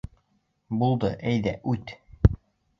Булды, әйҙә, үт.